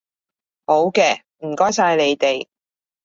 好嘅，唔該曬你哋